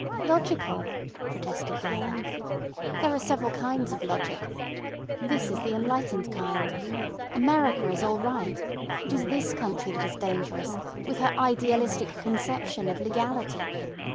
"Logical," protested the other. "There are several kinds of logic. This is the enlightened kind. America is all right. It is this country that is dangerous, with her idealistic conception of legality.